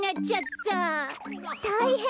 たいへん！